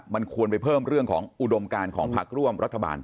มันควรไปเพิ่มเรื่องของอุดมการของพักร่วมรัฐบาล